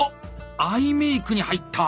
アイメイクに入った！